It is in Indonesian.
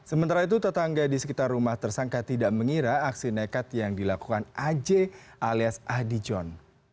sementara itu tetangga di sekitar rumah tersangka tidak mengira aksi nekat yang dilakukan aj alias ahdi john